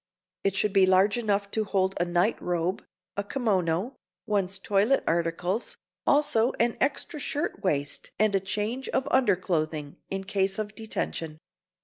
It should be large enough to hold a nightrobe, a kimono, one's toilet articles, also an extra shirt waist and a change of underclothing in case of detention.